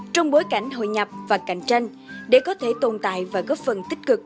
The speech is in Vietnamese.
trong bối cảnh hội nhập và cạnh tranh để có thể tồn tại và góp phần tích cực